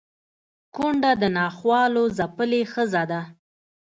کونډه د ناخوالو ځپلې ښځه ده